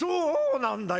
なんだよ！